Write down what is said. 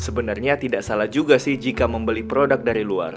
sebenarnya tidak salah juga sih jika membeli produk dari luar